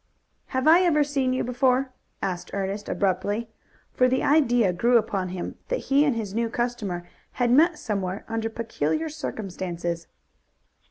"Have I ever seen you before?" asked Ernest abruptly, for the idea grew upon him that he and his new customer had met somewhere under peculiar circumstances.